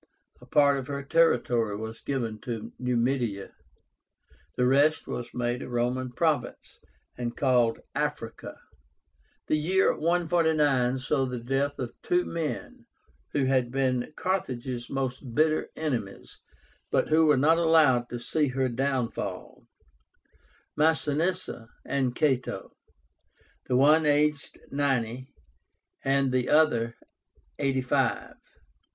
A part of her territory was given to Numidia. The rest was made a Roman province, and called AFRICA. The year 149 saw the death of two men who had been Carthage's most bitter enemies, but who were not allowed to see her downfall, MASINISSA and CATO, the one aged ninety, the other eighty five.